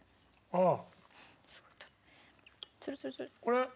ああ。